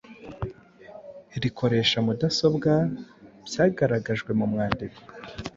rikoresha mudasobwa byagaragajwe mu mwandiko.